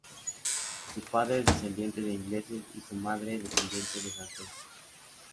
Su padre es descendiente de ingleses y su madre, descendiente de franceses.